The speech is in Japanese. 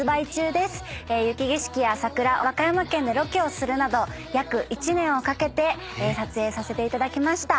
雪景色や桜和歌山県でロケをするなど約１年をかけて撮影させていただきました。